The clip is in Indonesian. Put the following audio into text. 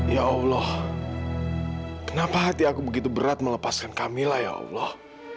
ya allah kenapa hati aku begitu berat melepaskan kami lah ya allah